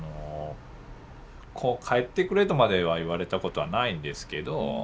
こう帰ってくれとまでは言われたことはないんですけど。